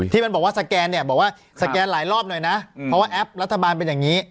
ที่มันบอกว่าสแกนเนี่ยบอกว่าสแกนหลายรอบหน่อยนะเพราะว่าแอปรัฐบาลเป็นอย่างนี้